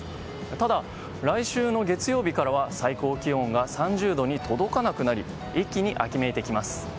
ただ、来週月曜日からは最高気温が３０度に届かなくなり一気に秋めいてきます。